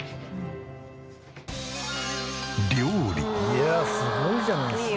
いやすごいじゃないですか。